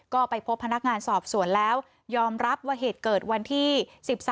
ก็ไปพบพนักงานสอบสวนแล้วยอมรับว่าเหตุเกิดวันที่๑๓